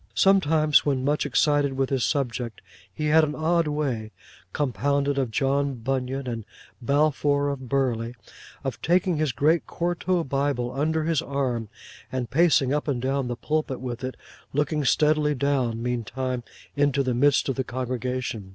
Sometimes, when much excited with his subject, he had an odd way—compounded of John Bunyan, and Balfour of Burley—of taking his great quarto Bible under his arm and pacing up and down the pulpit with it; looking steadily down, meantime, into the midst of the congregation.